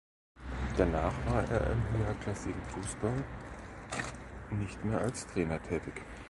Danach war er im höherklassigen Fußball nicht mehr als Trainer tätig.